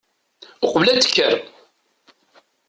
Uqbel ad tekker.